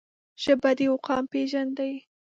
ژبه د یو قوم پېژند دی.